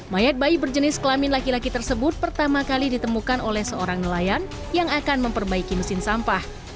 mayat bayi berjenis kelamin laki laki tersebut pertama kali ditemukan oleh seorang nelayan yang akan memperbaiki mesin sampah